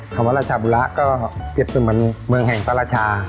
คำว่าราชาบุระก็เปรียบเสมือนเมืองแห่งพระราชา